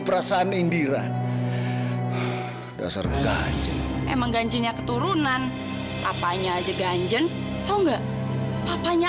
perasaan indira dasar gajah emang ganjinnya keturunan apanya aja ganjen tahu enggak apanya